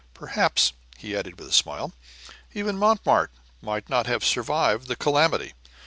Perhaps," he added, with a smile, "even Montmartre might not have survived the calamity."